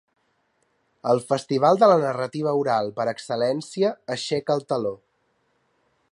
El festival de la narrativa oral per excel·lència aixeca el teló.